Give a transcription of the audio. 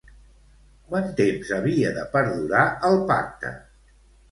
Quant temps havia de perdurar el pacte?